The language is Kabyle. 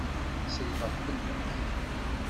Selbeɣ fell-ak.